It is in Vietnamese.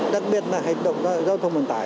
đặc biệt là hành động giao thông bản tải